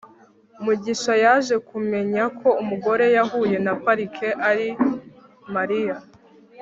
mugisha yaje kumenya ko umugore yahuye na parike ari mariya